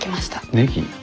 ネギ！